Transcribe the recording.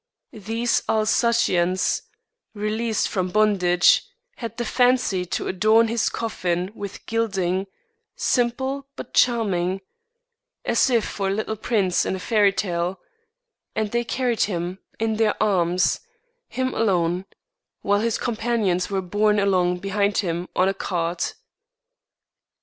These Alsatians, released from bondage, had the fancy to adorn his coffin with gilding, simple but charming, as if for a little prince in a fairy tale, and they carried him in their arms, him alone, while his companions were borne along behind him on a cart.